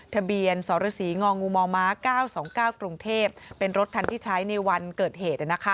ทะเบียนสรสีงูมม๙๒๙กรุงเทพเป็นรถคันที่ใช้ในวันเกิดเหตุ